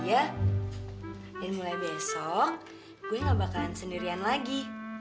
dan mulai besok gue gak bakalan sendirian lagi